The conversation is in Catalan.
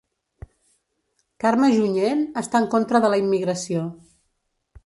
Carme Junyent està en contra de la immigració